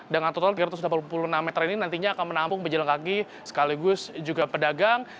dengan total tiga ratus delapan puluh enam meter ini nantinya akan menampung berjalan kaki sekaligus juga pedagang